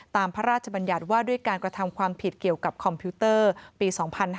พระราชบัญญัติว่าด้วยการกระทำความผิดเกี่ยวกับคอมพิวเตอร์ปี๒๕๕๙